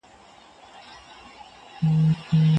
د ښځې څیره د موټر چلونکي له یاده نه وځي.